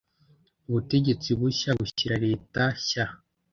ubutegetsi bushya bushyira leta shya.